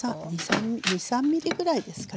２３ｍｍぐらいですかね。